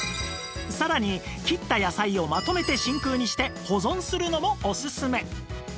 さらに切った野菜をまとめて真空にして保存するのもオススメ